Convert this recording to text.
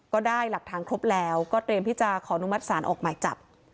ก็ได้หลักฐานครบแล้วก็เตรียมที่จะขออนุมัติศาลออกหมายจับ